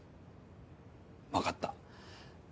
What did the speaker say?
分かった。